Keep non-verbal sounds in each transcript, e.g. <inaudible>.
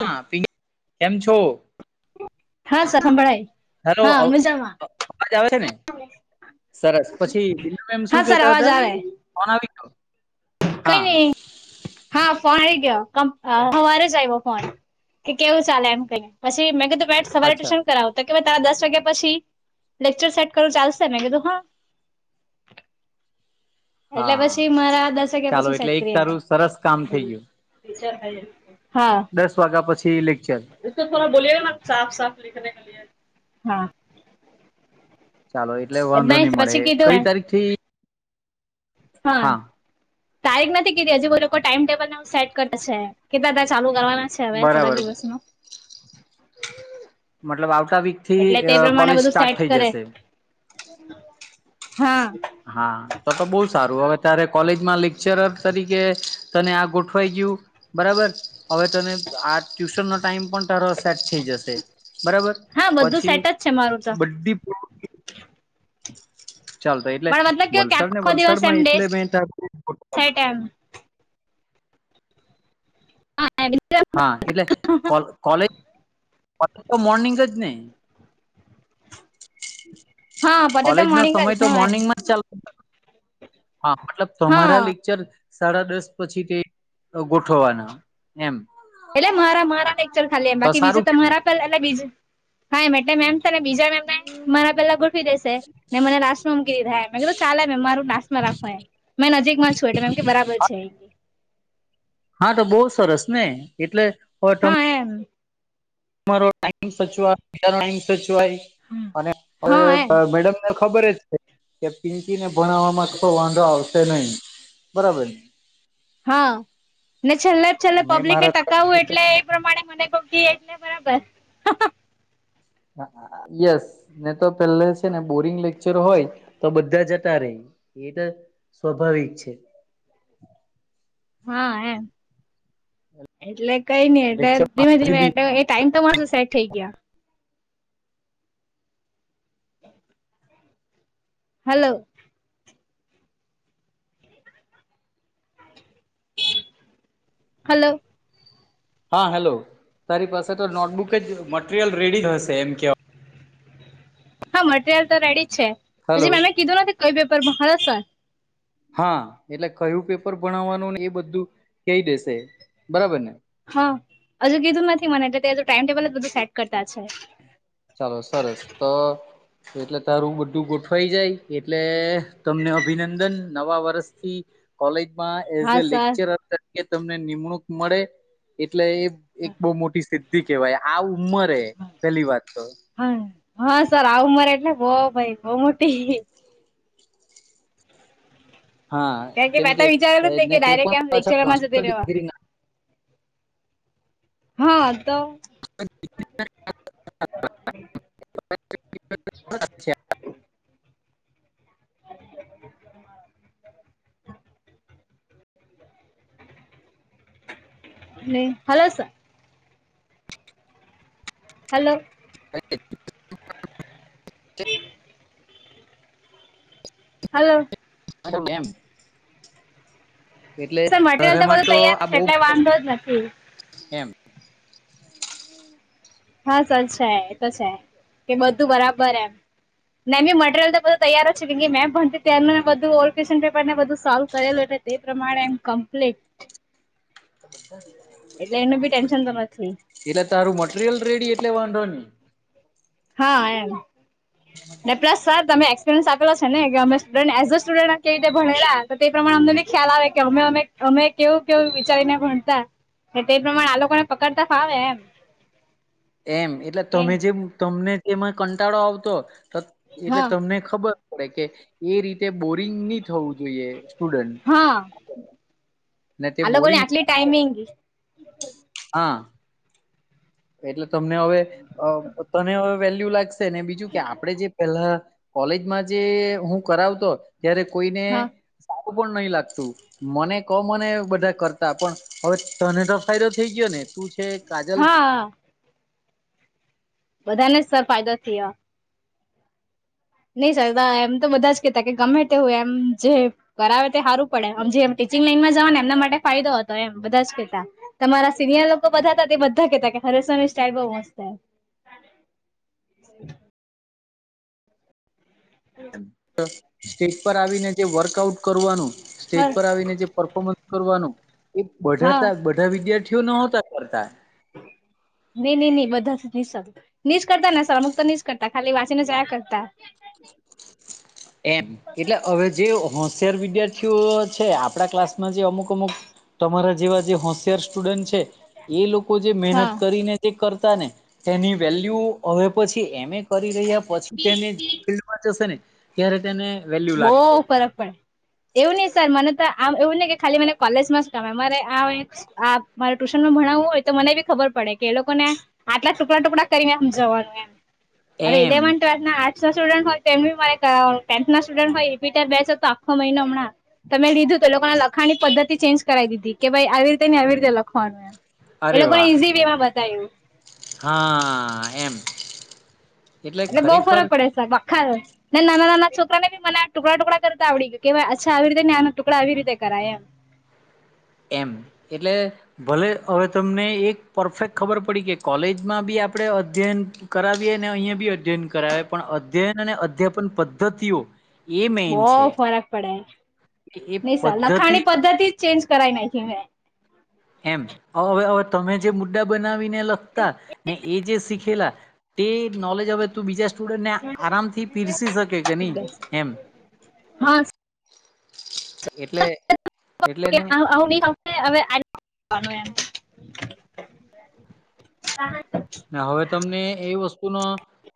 હા પ કેમ છો હા સર સંભળાય હેલો હા મજામાં અવાજ આવે છે ને સરસ પછી બીનાબમ હા શું સર કેતા અવાજ હતા આવે અન આવી કઈ હા નહી હા ફોન ગયો સવારે જ આવ્યો ફોન કે કેવું ચાલે એમ કહી પછી મેં કીધું સવારે અચ્છા ટ્યુન કરાવતા કે તારા દસ વાગ્યા પછી લેક્ચર સેટ કરવું ચાલશે મેં કીધું હા એટલે હા પછી મારા દસ વાગ્યા ચાલો પછી એટલે સેટ એક તારું કરીલા સરસ કામ થઈ ગયું થાય જાય દસ વાગ્યા પછી લેક્ચર એ થોડા બોલીએ ના સાફ સાફ લિખને લ હા ચાલો એટલે વાંધો નહી મળે પછી કીધું કઈ તારીખ થી હા, તારીખ નથી કીધી હજી બી લોકો ટાઈમ ટેબલ સેટ કરતાશે. કેટલા દા ચાલુ કરવાના છે. હવે, થોડાક બરાબર દિવસમાં મતલબ આવતા વીકથી એટલે તે પ્રમાણે કોલેજ બધું સ્ટાર્ટ સેટ થઈ કરે જશે. હા હા, તો તો બહુ સારું હવે ત્યારે કોલેજમાં લેક્ચરર તરીકે તને આ ગોઠવાઈ ગયું બરાબર. હવે તને આ ટ્યુશનો ટાઈમ પણ તારો સેટ થઈ જશે. બરાબર. હા બધું પછી સેટ જ છે મારું તો બધી ચાલ તો એટલે પણ મતલબ કેવું કે વલસાડને, આખો દિવસ એમ વલસાડમાં ડે એટલે મેં સેટ એમ હા, એટલે કોલેજ કાલે તો મોર્નિંગ જ ને. હા પતે તો કોલેજનો મોર્નિંગ જ સમય તો હા એમ મોર્નિંગમાં જ ચાલ હા, મતલબ હા તમારા લેક્ચર સાડા દસ પછી તે ગોઠવવાના એમ. એટલે મારા મારા લેક્ચર ખાલી એમ તો બાકી બીજ સારું તમારા પણ બીજા હા એટલે મેમ બીજા મેમએ મારા પેલા ગોઠવી દેસે ને મને લાસ્ટ માં મૂકી દીધા મે કીધું ચાલે મે મારું લાસ્ટમાં એફાયાર, મેં નજીકમાં છું એટલે મેમ કે બરાબર છે એ. હા, તો બહુ સરસને એટલે હવ તમ હમ્મ. તમારો ટાઇમ સચવાય બીજા ટાઈમ સચવાય અને હા એમ હવે મેડમ ને ખબર જ છે કે પિંકીને ભણવામાં થોડો વાંધો આવ શે નહી, બરાબર ને? હા, ને છેલ્લે છેલ્લે મેં પબ્લિકને મારા ટકાવવું એટલે એ પ્રમાણે મને કહો કે તે બરાબર. યસ, ને તો પેલે છે ને બોરિંગ લેક્ચર હોય, તો બધા જતા રેય. એ તો સ્વાભાવિક છે. હા એમ. એટલે કઈ નઈ એટલે લેક્ચર ધીમે ધીમે એટલે એ ટાઈમ તો મારુ સેટ થઈ ગયા. હાલો. હાલો. હા હેલો. તારી પાસે તો નોટબુક જ મટીરિયલ રેડી હશે એમ કેવાય. હા, મટરિયલ તો રેડી છે હજી હલો મે મેમે કીધું નથી કઈ પેપરમાં <unintelligible> હા, એટલે કયું પેપર ભણાવવાનું ને એ બધું કહી દેશે. બરાબરને? હા, હજુ કીધું નથી મને એટલે તે હજુ ટાઈમટેબલ જ બધું સેટ કરતા છે. ચાલો. સરસ તો તો એટલે તારું બધું ગોઠવાઈ જાય એટલે તમને અભિનંદન નવા વર્ષથી. કોલેજમાં એઝ હા એ સર લેક્ચરર તરીકે તમને નિમણૂક મળે એટલે એ એક બહુ મોટી સિદ્ધિ કેવાય આ ઉંમરે પેલી વાત તો. હા હા, સર આ ઉમર એટલે બઉ ભાઈ બઉ મોટી. હા કારણ કે કેમ મે તો વિચારેલું જ નહિ ને કે તે પણ ડાયરેક્ટ એમ પાછા લેક્ચરમાં જતી માસ્ટર રેવા. ડિગ્રી ના હા તો. <inaudible> <inaudible> નહી હાલો સર. હાલો. <inaudible> હાલો. મેડમ એમ. એટલે સર મટીરિયલ ઘરમાં બધું તો તૈયાર આ છે બહુ એટલે વાંધો જ નથી એમ. <inaudible> હા સર છે એ તો છે કે બધું બરાબર એમ. મેં મટરિયલ તો બધું તૈયાર છે મે ભણતી તારનું બધું ઓલ્ડ ક્વેશ્ન પેપરને બધુ સોલ્વ કરેલું તે પ્રમાણે એમ કમ્પ્લીટ. એટલે એનું બી ટેન્શન તો નથી એટલે તારું મટીરિયલ રેડી એટલે વાંધો નહી. હા એમ પ્લસ સર તમે આપેલા છે ને કે અમે સ્ટુડ એઝ અ સ્ટુડ કઈ રીતે ભણેલા તો તે પ્રમાણે અમને ખ્યાલ આવે કે અમે અમે અમે કેવું કેવું વિચારીને ભણતા તે પ્રમાણે આ લોકોને પકડતા ફાવે એમ. એમ એટલે કે તમે જે તમને જેમાં કંટાળો આવતો તો એટલે હા તમને ખબર પડે કે એ રીતે બોરિંગ ની થવું જોઈએ. સ્ટુડન્ટ. હા ને તે આ લોકોની બોરિંગ આટલી ટાઈમિંગી હા એટલે તમને હવે અ તને હવે વેલ્યુ લાગશે ને બીજું કે આપણેે જે પેલા કોલેજમાં જે હું કરાવતો ત્યારે કોઈને હા પણ નહી લાગતું મને ક મને બધા કરતા પણ હવે તને તો ફાયદો થઈ ગ્યોને શું છે કાજલ હા. બધાને જ સર ફાયદો થયો. નહી સર દ એમ તો બધા જ કેતા કે ગમે તે હું એમ જે કરાવે તે હારું પડાવે હમજે લાઈનમાં જવા ને એમના માટે ફાયદો હતો એમ બધા જ કેતા તમારા સિનિયર લોકો બધા હતા તે બધા કેતા હરેસ સરની સ્ટાઇલ બહુ મસ્ત છે હ <inaudible> <inaudible> સ્ટેજ પર આવીને જે વર્કઆઉટ કરવાનું હ સ્ટેજ પર આવીને જે પરફોર્મન્સ કરવાનું એ બધા હા તા બધા વિદ્યાર્થી જો ન હતા કરતા નઈ નઈ નઈ બધા ની સર નીસ કરતા ને સર અમુક તો નીચ કરતા ખાલી વાંચીને જયા કરતા <inaudible> એમ એટલે હવે જે હોશિયાર વિદ્યાર્થીઓ છે આપણા ક્લાસમાં જે અમુક અમુક તમારા જેવા જે હોશિયાર સ્ટુડન્ટ છે એ લોકો જે મહેનત હા કરીને જે કર રતાને એની વેલ્યુ હવે પછી એમએ કરી રહ્યા પછી તેને ફિલ્ડ થશેને ત્યારે તેને બઉ લાગશે ફરક પડે એવું નઈ સર મને તો આમ એવું ને કે ખાલી મને કોલેજમાં જ કમે મારે આ મારે ટ્યુશન માં ભણાવવું હોય તો મને બી ખબર પડે કે એ લોકો ને આટલા ટુકડા ટુકડા કરીને આમ જવાનું એમ હવે એમ ઇલેવન્થ ટ્વેલ્થ ના આર્ટ સ્ટુડન્ટ હોય તો તેમને મારે કર ના સ્ટુડન્ટ હોય ત બેસ હતો આખો મહિનો હમણાં તમે લીધું તો લોકોને લખવાની પદ્ધતિ ચેન્જ કરાવ દીધી કે ભાઈ આવી રીતે ને આવી રીતે લખવાનું એ અરે લોકોને વાહ ઈઝી વે માં બતાય્યું હા એમ એટલે બહુ ફરક પડે સાહેબ આખા ને નાના નાના છોકરા ને બી મને ટુકડા ટુકડા કરતા આવડી ગયો કેય અચ્છા આવી રીતે આના ટુકડા આવી રીતે કરાય એમ. એમ એટલે ભલે હવે તમને એક પરફેક્ટ ખબર પડી કે કોલેજમાં બી આપણે અધ્યયન કરાવીએ ને અહિયા બી અધ્યયન કરાવે પણ અધ્યયન અને અધ્યાપન પદ્ધતિઓ એ બો મેન છે ફરક પડે એ નહી સર પદ્ધતિ લખાણી પદ્ધતિ જ ચેન્જ કરાઈ નાખી એમ. એમ હવે હવે તમે જે મુદ્દા બનાવી ને લખતા ને એ જે શીખેલા તે નોલેજ હવે તે બીજા સ્ટુડન્ટને આરામથી પીરસી શકે કે ની એમ. હા એટલે એટલેને <unintelligible> હવે <unintelligible> એમ હવે તમને એ વસ્તુનો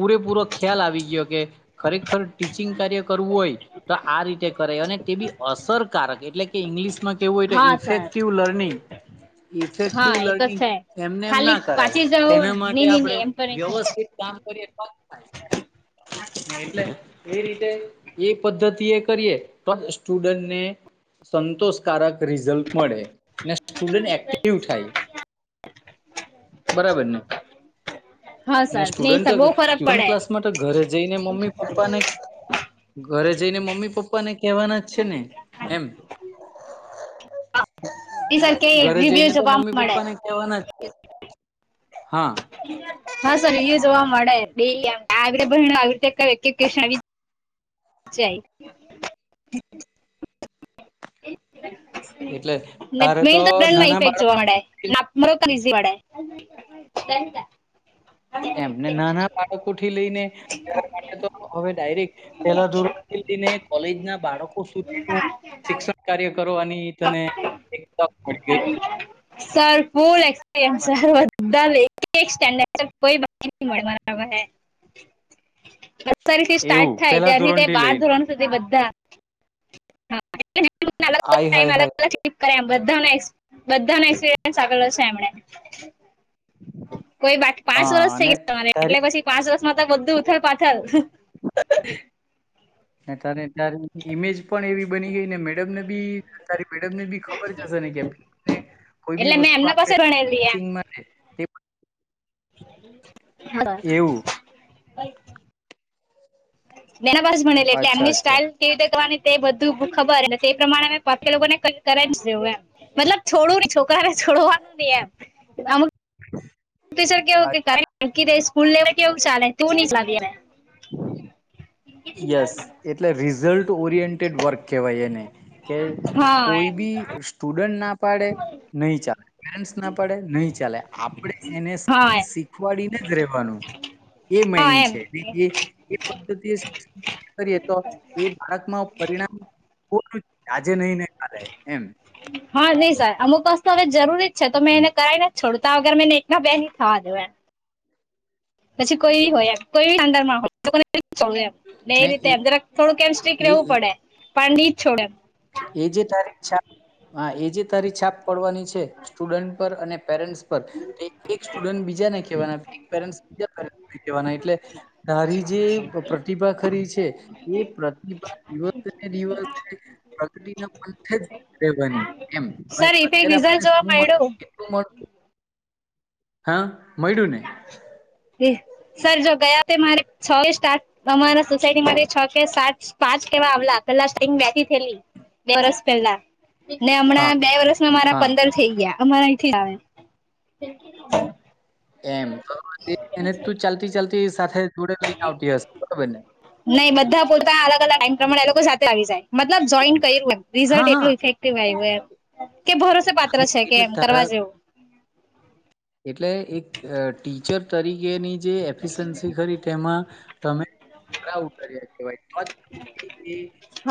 પૂરેપૂરો ખ્યાલ આવી ગયો કે ખરેખર ટીચિંગ કાર્ય કરવું હોય તો આ રીતે કરે અને તે બી અસરકારક એટલે કે ઇંગ્લિશમાં કેવું હોય તો હા સર ઇફેક્ટિવ લર્નિંગ હા ઇફેક્ટિવ એ તો લર્નિંગ છે એમને એમ ખાલી ના કરાય વાંચી જવું તેના માટે નહી નહી આપણે નહી એમ તો નહી થાય વ્યવસ્ કામ કરી એટલે એ રીતે એ પદ્ધતિ એ કરીએ તો સ્ટુડન્ટને સંતોષકારક રિઝલ્ટ મળે ને સ્ટુડ એક્ટિવ થાય બરાબર ને હા ને સર નહી સ્ટુડન્ટ સર બહુ ફરક ટ્યુશન પડે ક્લાસ માટે ઘરે જઈને મમ્મી પપ્પાને ઘરે જઈને મમ્મી પપ્પાને કેહેવાના જ છે ને એમ નહી સર કે ઘરે જઈને રિવ્યુ તો જોવા મમ્મી મળે પપ્પા ને કેહેવાના જ છે. હા. હ સરોું જોવા મળે આવીતે બનો આવી રીતે કઈ વે <unintelligible> જય એટલે તારે મેન તો ટન માં નાના ઇફેક્ટ બાળક જોવા મળે નારો ત ઝી મળે <unintelligible> એમ ને નાના બાળકો થી લઈને માટે તો હવે ડાયરેક્ટ પેલા ધર- કોલેજ ના બાળકો સુધી શિક્ષણ કાર્ય કરોની તને એક તક મળી ગઈ સરપૂ એક્પરયસા સન્ કોઈ મળ થી એવું સ્ટાર્ટ થાય પેલા ત્યારથી ધોરણથી બહાર લઈને ધોરનું થ બધા અલ અલગ આય ટાઈમ હાય અલ હાય અલગપ કરે બધા બધાનો એક્સપિરયન્સ આપેલો છે એમને કોઈ બાકી પાંચ હા વર્ષ થઇ અને ગયા તમારે તારી એટલે પછી પાંચ વર્ષ માતા બધું ઉથલ પાથલ અ ત્યારે ત્યારે ઈમેજ પણ એવી બની ગઈ ને મેડમને બી મેડમ ને બી ખબર હશે ને કેને એટલે મેં એમના પાસે રણેલી એમ તે હા એવું <unintelligible> મેના બસ ભનેલી એટલે અચ્છા એમની અચ્છા સ્ટાઈલવી રીતે કરવાની તે બધું ખબરને તે પ્રમાણે મે પાછ લોકોને કરે જેવું એમ મતલબ છોડું ને છોકરા છોડવાનું ન એમમ ટીચર કેવું કે અચ્છા કરે નકી સ્કૂલ લેવલ કેવું ચાલે તું નહ હમ યસ એટલે રિઝલ્ટ ઓરિએન્ટેડ વર્ક કહેવાય એને કે હા કોઈ એમ બી સ્ટુડન્ટ ના ડે નહી ચાલે ના પાડે નહી ચાલે આપણે એને હા સ્કીલ એમ શીખવાડીને વાનું એ હા મેન એમ છે એ એ પદ્ધતિ શિક્ષણ કરીએ તો એ બાળકમાં પરિણામ આજે નહી નને ચાલે એમ હા નહી સર અમુક વસ્તુ હવે જરૂરી જ છે તો મેં એને કરાઈ ને છોડતા વગર મેને એક બે હી થવા દેવા એમ પછી કોઈી હોય કોઈ ા <unintelligible> ડ માં હોય એમ ન એ રીતે એમ જરાક થોડું કેમ સ્સિટક એ રહેેવું એ પડે પણ નહી છોડે એમ એ જે તારી છા હા એ જે તારી છાપ પડવાની છે સ્ટુડન્ટ પર અને પેરેન્ટ્સ પર એક એક સ્ટુડન્ટ બીજાને કહેવાના વાના એટલે તારી જે પ્રતિભા ખરી છે એ પ્રતિભા દિવસ ને દિવસ પ્રગતિ ના પંથે જ બની એમ સર હ ઇફેક્ટ અત્યારે આપણને રિઝલ્ટ જોવા શું મળ્યું કેટલું હા મળ્યું ને એહં સર જો ગયા તે મારે છ કે સાત તમારા સોસાયટી માટે છ કે સાત પાંચ કેવા આવલા હતા પ્લાસ્ટિકમાંથી થેલી બે વર્ષ પહેલા ને હા હમણાં બે વર્ષમાં મારા હા પંદર થઈ ગયા અમારા થી આવે એમ એને તું ચાલતી ચાલતી સાથે જોડે લઈને આવતી હશે બરોબર ને બધા બોલતા અલગ અલગ તમારે આ લોકો સાથે આવી જાય મતલબ જોઇન્ટ કર્યું એમ હા રિઝલ્ટ હા એકલુ ઇફેકટીવ આવ્યું એમ કે ભરોસે પાત્ર હા, છે કે એટલે એમ કરવા તારા જેવું એટલે એક ટી ટીચર, તરીકેની જે એફિસન્સી ખરી તેમા તમે ખરા ઉતર્યા કેવાય, તો જ એ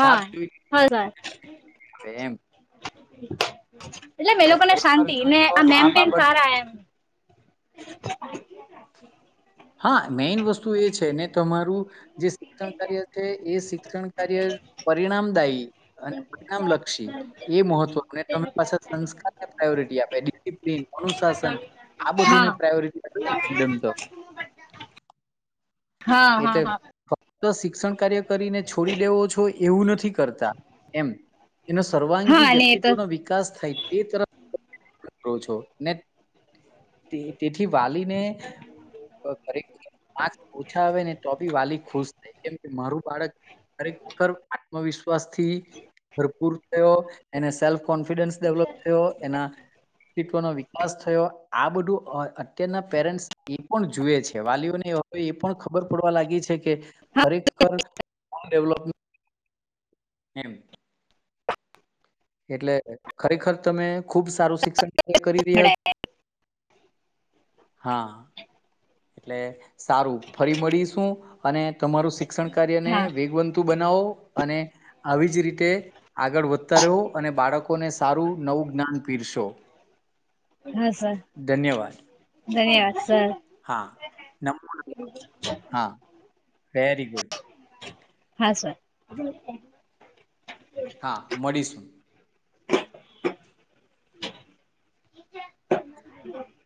છાપ હા સર જોઈતી ને વેમ એટલે મે લોકોને ખરેખર શાંતિ જો ને, તો આ બેમપેન બાબત સારા એમ હા, મેન વસ્તુ એ છેને, તમારુ જે શિક્ષણ કાર્ય છે, એ શિક્ષણ કાર્ય પરિણામદાયી અને પરિણામલક્ષી એ મહત્વનુ, અને તમે પાછા, સંસ્કારને પ્રાયોરિટી આપે અનુશાસન આ હા બધુને પ્રાયોરિટી, ફ્રીડમ ધ હા હા, હા તો શિક્ષણ કાર્ય કરીને છોડી દેવો છો, એવુ નથી, કરતા એમ એના સર્વાંગી હા ને એ તો વ્યક્તિત્વનો વિકાસ થાય, તે તરફ કો છો, ને તેથી. વાલીને ઘરે આજ ટપી વાલી ખુશ થાય, કેમ કે મારુ બાળક ખરેખર આત્મવિશ્વાસ થી, ને ભરપૂર થયો, એને સેલ્ફ કોન્ફિડન્સ ડેવલોપ થયો, એના અસ્તિત્વ નો વિકાસ થયો, આ બધું અત્યારના પેરેન્ટ્સ એ પણ જુએ છે. વાલીઓને એવું હવે એ પણ ખબર પડવા લાગી છે, કે હા ખરેખરે ડેવલોપ એમ એટલે ખરેખર, તમે ખુબ સારું શિક્ષણ કરી રહ્યા છો. હા, એટલે સારુ ફરી મળીશુ, અને તમારુ શિક્ષણ શિક્ષણ, કાર્યને હા વેગવંતુ બનાવો અને આવી જ રીતે આગળ વધો તર્યો અને બાળકોને, સારુ નવુ જ્ઞાન પીરશો હા સર ધન્યવાદ ધન્યવાદ સર હા, હા વેરી ગુડ હા, સર હા, મળીશુ <unintelligible>